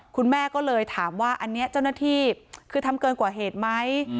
คุณแม่ก็เลยถามว่าอันนี้เจ้าหน้าที่คือทำเกินกว่าเหตุไหม